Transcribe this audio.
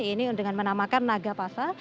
ini dengan menamakan naga pasa